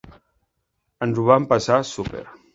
Ens ho vam passar súper.